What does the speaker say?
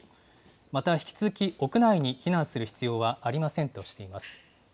また、引き続き屋内に避難する必要はありませんとしています。